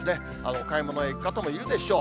お買い物へ行く方もいるでしょう。